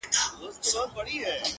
له هغې ورځې يې ښه نه دې ليدلي~